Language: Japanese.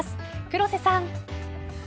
黒瀬さん。